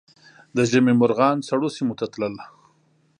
د ژمي مرغان سړو سیمو ته تلل